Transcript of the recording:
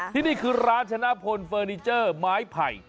ที่นี่คือร้านชนะพลเฟอร์นิเจอร์ไม้ไผ่